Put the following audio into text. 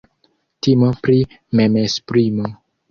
Timo pri memesprimo.